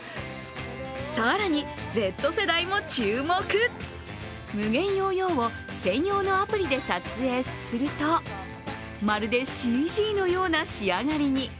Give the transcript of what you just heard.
更にＺ世代も注目、ムゲンヨーヨーを専用のアプリで撮影するとまるでＣＧのような仕上がりに。